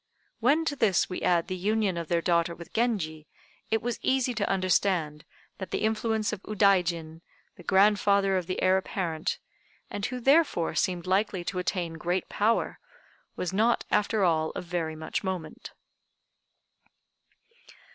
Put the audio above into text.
When to this we add the union of their daughter with Genji, it was easy to understand that the influence of Udaijin, the grandfather of the Heir apparent, and who therefore seemed likely to attain great power, was not after all of very much moment.